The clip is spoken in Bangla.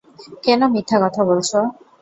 কেন মিথ্যা কথা বলছো?